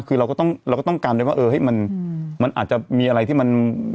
คือเราก็ต้องเราก็ต้องกันด้วยว่าเออมันอาจจะมีอะไรที่มัน